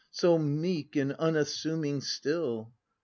So meek and unassuming still.